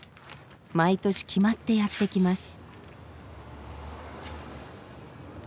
毎年決まってやって来ます。